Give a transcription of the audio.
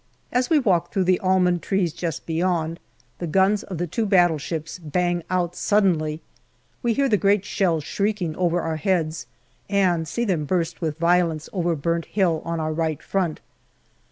As we walk through the almond trees just beyond, the guns of the two battleships bang out suddenly. We hear the great shells shrieking over our heads, and see them burst with violence over Burnt Hill on our right front.